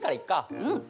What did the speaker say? うん。